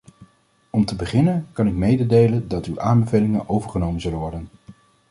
Om te beginnen kan ik meedelen dat uw aanbevelingen overgenomen zullen worden.